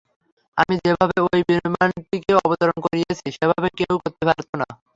আমি যেভাবে ওই বিমানটিকে অবতরণ করিয়েছি, সেভাবে কেউই করতে পারতো না।